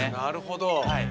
なるほど。